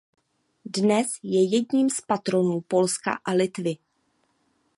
Dnes je jedním z patronů Polska a Litvy.